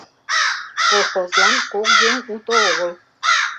Колхозлан кок еҥ уто огыл.